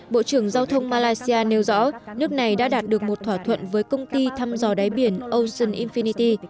bộ trưởng giao thông malaysia nêu rõ nước này đã đạt được một thỏa thuận với công ty thăm dò đáy biển ocean infinity